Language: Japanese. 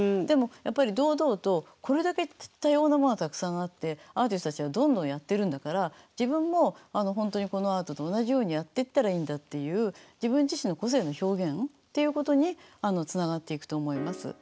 でもやっぱり堂々とこれだけ多様なものがたくさんあってアーティストたちがどんどんやってるんだから自分も本当にこのアートと同じようにやっていったらいいんだっていう自分自身の個性の表現っていうことにつながっていくと思います。